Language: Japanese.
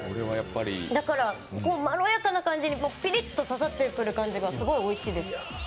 だからまろやかな感じにピリッと誘ってくる感じがおいしいです。